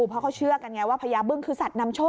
เพราะเขาเชื่อกันไงว่าพญาบึ้งคือสัตว์นำโชค